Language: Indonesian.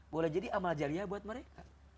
boleh jadi amal jarinya buat mereka